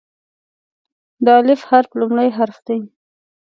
د "الف" حرف لومړی حرف دی.